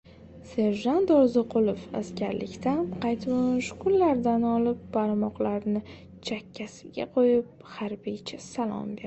Serjant Orziqulov askarlikdan qaytmish kunlardan olib, barmoqlarini chakkasiga qo‘yib harbiycha salom berdi.